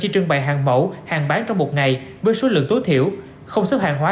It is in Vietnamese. chi trưng bày hàng mẫu hàng bán trong một ngày với số lượng tối thiểu không xếp hàng hóa